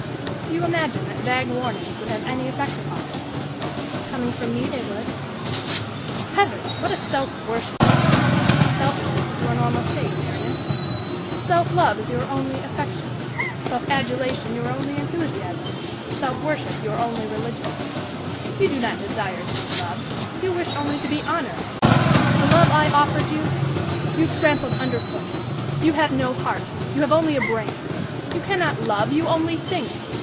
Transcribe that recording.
"Do you imagine that vague warnings would have any effect upon her?" "Coming from me they would." "Heavens! What a self worshiper! But selfishness is your normal state, Marian! Self love is your only affection self adulation your only enthusiasm self worship your only religion! You do not desire to be loved you wish only to be honored! The love I offered you, you trampled underfoot! You have no heart, you have only a brain! You cannot love, you only think!